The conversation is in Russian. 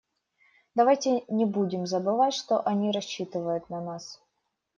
Давайте не будем забывать, что они рассчитывают на нас.